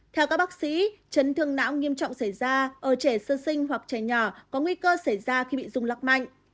theo các bác sĩ chấn thương não nghiêm trọng xảy ra ở trẻ sơ sinh hoặc trẻ nhỏ có nguy cơ xảy ra khi bị rung lắc mạnh